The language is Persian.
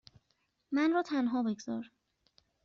من را تنها بگذار.